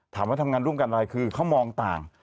ทำงานร่วมกันอะไรคือเขามองต่าง